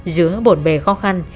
giữa bổn bề khó khăn